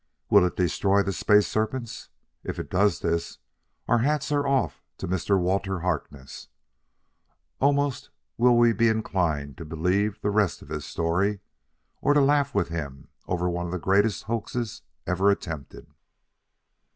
Will it destroy the space serpents? If it does this, our hats are off to Mr. Walter Harkness; almost will we be inclined to believe the rest of his story or to laugh with him over one of the greatest hoaxes ever attempted."